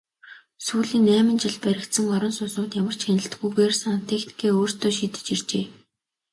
Сүүлийн найман жилд баригдсан орон сууцнууд ямар ч хяналтгүйгээр сантехникээ өөрсдөө шийдэж иржээ.